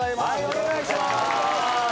お願いします。